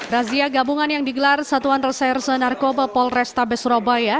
razia gabungan yang digelar satuan reserse narkoba polresta besurabaya